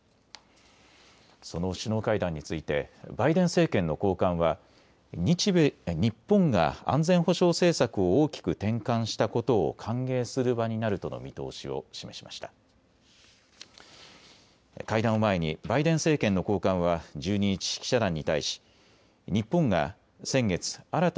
その首脳会談についてバイデン政権の高官は日本が安全保障政策を大きく転換したことを歓迎する場になるとの見通しを示しました。